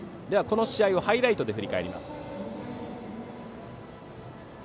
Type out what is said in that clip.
この試合をハイライトで振り返ります。